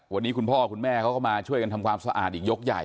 วันนี้คุณพ่อคุณแม่เขาก็มาช่วยกันทำความสะอาดอีกยกใหญ่